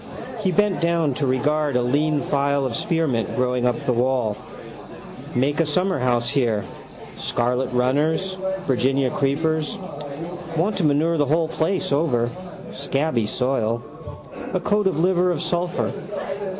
He bent down to regard a lean file of spearmint growing by the wall. Make a summerhouse here. Scarlet runners. Virginia creepers. Want to manure the whole place over, scabby soil. A coat of liver of sulphur.